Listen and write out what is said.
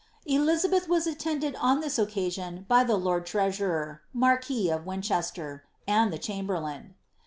' Elizabeth was attended on this occasion by the lord treasurer, (marquis of Winchester.) and the chamberlain.